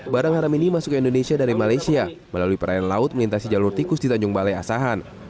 barang haram ini masuk ke indonesia dari malaysia melalui perairan laut melintasi jalur tikus di tanjung balai asahan